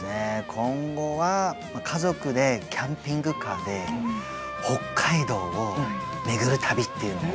今後は家族でキャンピングカーで北海道を巡る旅っていうのを。